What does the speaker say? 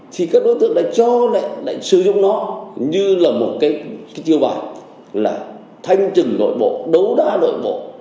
thì các đối tượng lại cho lại lại sử dụng nó như là một cái chiêu bài là thanh trừng nội bộ đấu đa nội bộ